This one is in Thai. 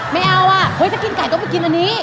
ไม่เอาอ่ะเฮ้ยถ้ากินไก่ต้องไปกินอันนี้